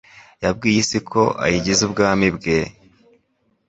yibwiye ko isi ayigize ubwami bwe,